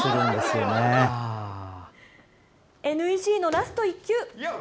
ＮＥＣのラスト１球。